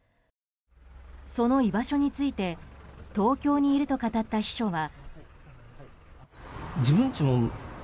その居場所について東京にいると語った秘書は。